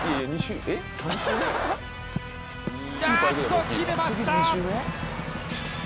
あっと決めました。